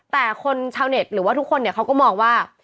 แต่คนชาวเน็ตหรือว่าทุกคนเนี่ยเขาก็มองว่า